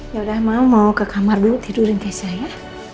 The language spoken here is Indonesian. ya udah mama mau ke kamar dulu tidurin keisha ya